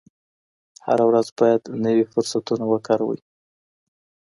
هره ورځ باید نوي فرصتونه وکاروئ.